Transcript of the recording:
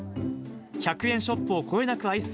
１００円ショップをこよなく愛す